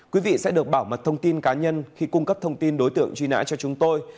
quý vị sẽ được bảo mật thông tin cá nhân khi cung cấp thông tin đối tượng truy nã cho chúng tôi